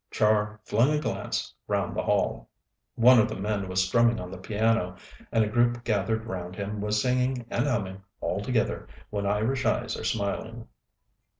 Char flung a glance round the hall. One of the men was strumming on the piano, and a group gathered round him was singing and humming, all together, "When Irish eyes are smiling."